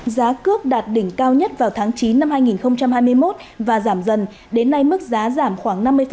giá cước đạt đỉnh cao nhất vào tháng chín năm hai nghìn hai mươi một và giảm dần đến nay mức giá giảm khoảng năm mươi